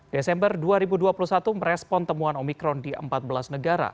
desember dua ribu dua puluh satu merespon temuan omikron di empat belas negara